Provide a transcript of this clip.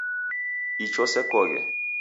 Icho sekoghe